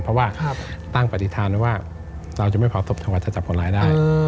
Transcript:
เพราะว่าตั้งปฏิทานว่าเราจะไม่เผาศพจนกว่าจะจับผลร้ายได้